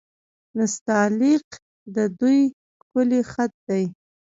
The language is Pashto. نستعلیق د دوی ښکلی خط دی.